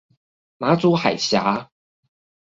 馬祖海峽